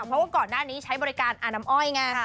เพราะว่าก่อนหน้านี้ใช้บริการอาน้ำอ้อยไง